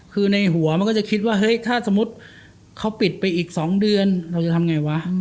คือในหัวมันก็จะคิดว่าเฮ้ยถ้าสมมุติเขาปิดไปอีก๒เดือนเราจะทำไงวะ